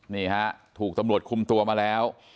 นี่ฮะถูกตำรวจคุมตัวมาแล้ว